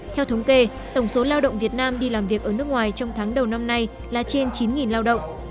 theo thống kê tổng số lao động việt nam đi làm việc ở nước ngoài trong tháng đầu năm nay là trên chín lao động